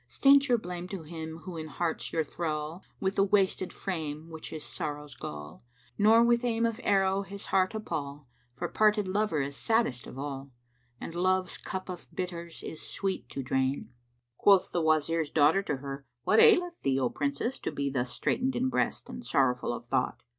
Stint your blame to him who in heart's your thrall * With the wasted frame which his sorrows gall, Nor with aim of arrow his heart appal * For parted lover is saddest of all, And Love's cup of bitters is sweet to drain!" Quoth the Wazir's daughter to her, "What aileth thee, O Princess, to be thus straitened in breast and sorrowful of thought?"